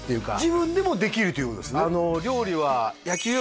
自分でもできるということですね？